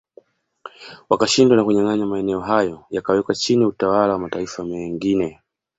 Wakashindwa na kunyanganywa maeneo hayo yakawekwa chini utawala wa mataifa mengine